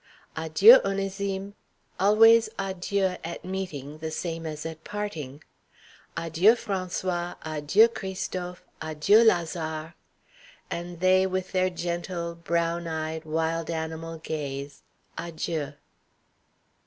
"Adieu, Onesime" always adieu at meeting, the same as at parting. "Adieu, François; adieu, Christophe; adieu, Lazare;" and they with their gentle, brown eyed, wild animal gaze, "Adjieu."